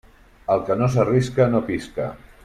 El que no s'arrisca no pisca.